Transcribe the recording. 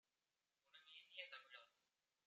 குணமேவிய தமிழா!